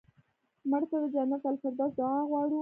مړه ته د جنت الفردوس دعا غواړو